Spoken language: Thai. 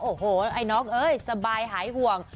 โอ้โหไอ้น้องเอ้ยสบายหายห่วง